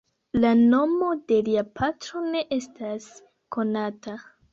La nomo de lia patro ne estas konata.